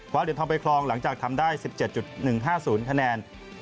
เหรียญทองไปคลองหลังจากทำได้๑๗๑๕๐คะแนน